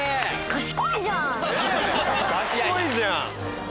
ねぇ賢いじゃん！